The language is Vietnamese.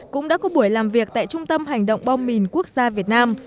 cũng đã có buổi làm việc tại trung tâm hành động bom mìn quốc gia việt nam